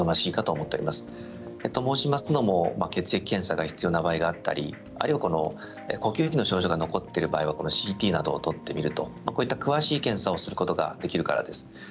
そう申しますのも血液検査が必要な場合があったり呼吸器の症状が残っている場合はＣＴなどを撮ってみると詳しい検査をすることができるからです。